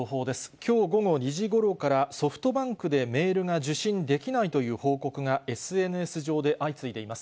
きょう午後２時ごろから、ソフトバンクでメールが受信できないという報告が、ＳＮＳ上で相次いでいます。